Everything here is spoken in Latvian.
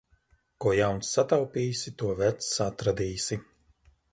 Ko jauns sataupīsi, to vecs atradīsi.